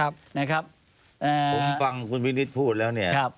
ผมฟังคุณวินิตพูดแล้วเนี่ย